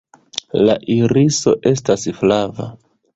La iriso estas flava.